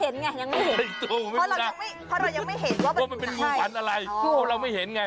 ว่ามันเป็นงูฝันอะไรว่าเราไม่เห็นไง